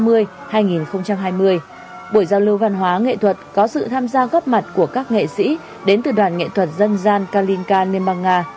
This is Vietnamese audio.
buổi giao lưu văn hóa nghệ thuật có sự tham gia góp mặt của các nghệ sĩ đến từ đoàn nghệ thuật dân gian calinka liên bang nga